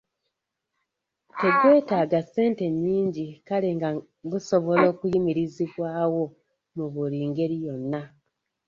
Tegwetaaga ssente nnyingi kale nga gusobola okuyimirizibwawo mu buli ngeri yonna.